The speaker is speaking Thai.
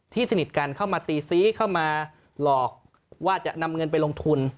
สนิทกันเข้ามาตีซีเข้ามาหลอกว่าจะนำเงินไปลงทุน